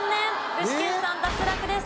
具志堅さん脱落です。